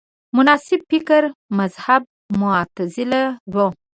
مناسب فکري مذهب معتزله وه